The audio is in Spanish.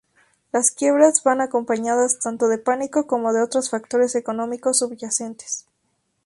Las quiebras van acompañadas tanto de pánico como de otros factores económicos subyacentes.